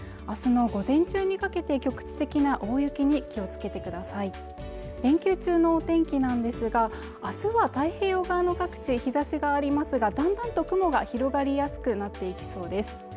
明日の午前中にかけて局地的な大雪に気をつけてください連休中のお天気なんですが明日は太平洋側の各地日差しがありますがだんだんと雲が広がりやすくなっていきそうです